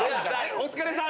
お疲れさん！